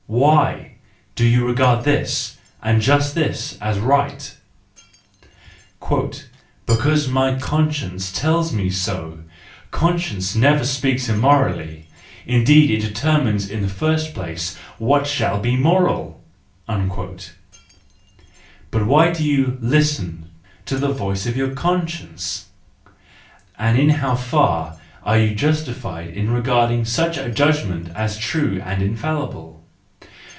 Why do you regard this, and just this, as right ?—" Because my conscience tells me so ; conscience never speaks immorally, indeed it determines in the first place what shall be moral! "—But why do you listen to the voice of your conscience ? And in how far are you justified in regarding such a judgment as true and infallible?